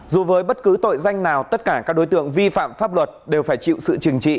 dù với bất cứ tội danh nào tất cả các đối tượng vi phạm pháp luật đều phải chịu sự trừng trị